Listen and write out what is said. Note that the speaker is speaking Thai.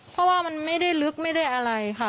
เพราะว่ามันไม่ได้ลึกไม่ได้อะไรค่ะ